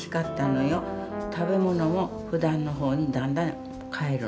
食べ物もふだんの方にだんだん返るの。